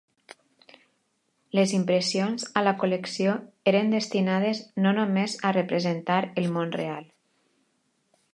Les impressions a la col·lecció eren destinades no només a representar el món real.